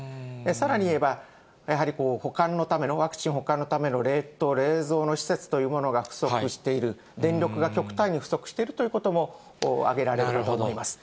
さらに言えば、やはり保管のための、ワクチン保管のための冷凍、冷蔵の施設というものが不足している、電力が極端に不足しているということも挙げられると思います。